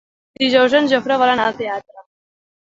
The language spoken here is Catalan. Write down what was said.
Dijous en Jofre vol anar al teatre.